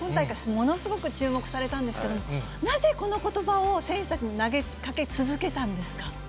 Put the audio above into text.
ものすごく注目されたんですけども、なぜこのことばを選手たちに投げかけ続けたんですか。